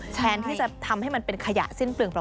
แทนที่จะทำให้มันเป็นขยะสิ้นเปลืองเปล